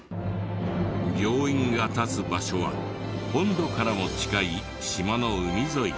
病院が立つ場所は本土からも近い島の海沿い。